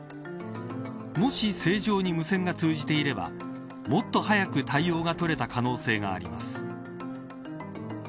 もし、正常に無線が通じていればもっと早く対応が取れた可能性があります。